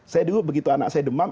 saya dulu begitu anak saya demam